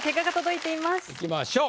いきましょう。